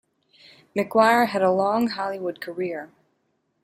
McGuire had a long Hollywood career.